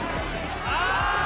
ああ！